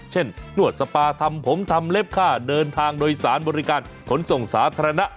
หนวดสปาทำผมทำเล็บค่าเดินทางโดยสารบริการขนส่งสาธารณะ